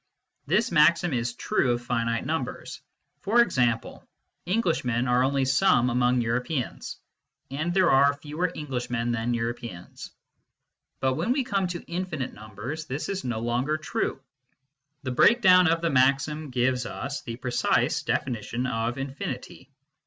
This maxim is true of finite numbers. For example, Englishmen are only some among Europeans, and there are fewer Englishmen than Euro peans. But when we come to infinite numbers, this is no longer true. This breakdown of the maxim gives us the precise definition of infinity.